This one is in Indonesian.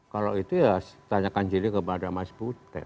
kalau itu ya tanyakan jadi kepada mas butet